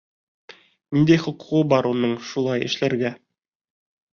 Ниндәй хоҡуғы бар уның шулай эшләргә?